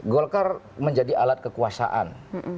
golkar menjadi alat kekuasaan